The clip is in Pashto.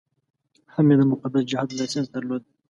هم یې د مقدس جهاد لایسنس درلود.